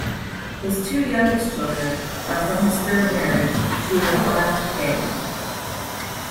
His two youngest children are from his third marriage, to Ramona Ging.